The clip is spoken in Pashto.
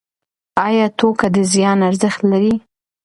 ایا ټوکه د زیان ارزښت لري؟